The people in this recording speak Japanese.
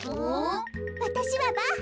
わたしはバッハ。